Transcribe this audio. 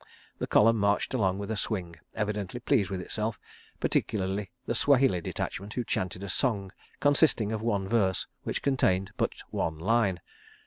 ... The column marched along with a swing, evidently pleased with itself, particularly the Swahili detachment, who chanted a song consisting of one verse which contained but one line.